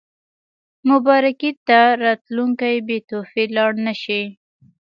مبارکۍ ته راتلونکي بې تحفې لاړ نه شي.